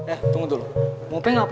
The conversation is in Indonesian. eh tunggu dulu wajahnya apa